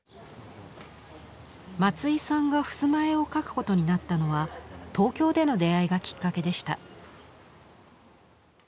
松井さんが襖絵を描くことになったのは東京での出会いがきっかけでした。